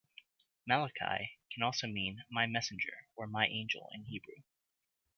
Malachi can also mean "my messenger" or "my angel" in Hebrew.